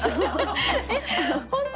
えっ本当？